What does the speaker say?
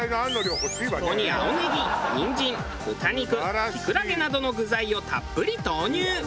そこに青ネギにんじん豚肉キクラゲなどの具材をたっぷり投入。